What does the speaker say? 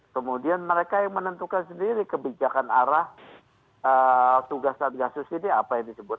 kemudian mereka yang menentukan sendiri kebijakan arah tugas satgasus ini apa yang disebut